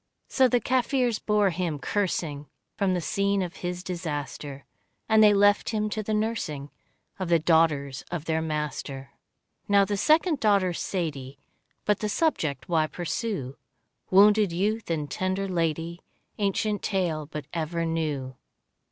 So the Kaffirs bore him, cursing, From the scene of his disaster, And they left him to the nursing Of the daughters of their master. Now the second daughter, Sadie — But the subject why pursue? Wounded youth and tender lady, Ancient tale but ever new.